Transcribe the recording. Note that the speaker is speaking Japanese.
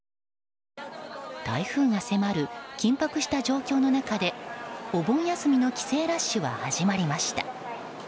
台風が迫る緊迫した状況の中でお盆休みの帰省ラッシュは始まりました。